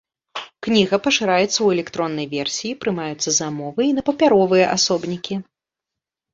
Кніга пашыраецца ў электроннай версіі, прымаюцца замовы і на папяровыя асобнікі.